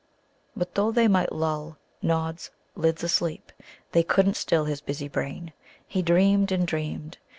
But though they might lull Nod's lids asleep, they couldn't still his busy brain. He dreamed and dreamed.